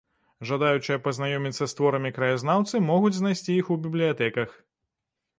Жадаючыя пазнаёміцца з творамі краязнаўцы могуць знайсці іх у бібліятэках.